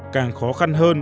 càng khó khăn hơn